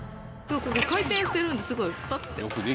ここ回転してるんですごいパッて。